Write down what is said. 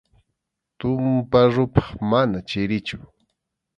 Tumpa ruphaq mana chirichu.